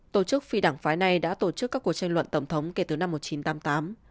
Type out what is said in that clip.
tổ chức phi đảng phái này đã tổ chức các cuộc tranh luận tổng thống kể từ năm một nghìn chín trăm tám mươi tám